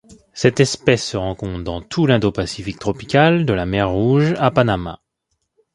Cette espèce se rencontre dans tout l'Indo-Pacifique tropical, de la Mer Rouge à Panama.